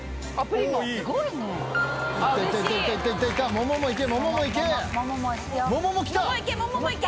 桃もいけ、桃もいけ。